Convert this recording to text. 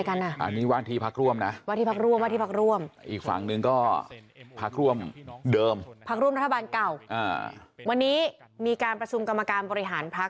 ก็จะสามารถยืนได้